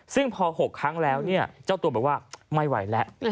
ซึ่งพอ๖ครั้งแล้วเจ้าตัวบอกว่าไม่ไหวแล้ว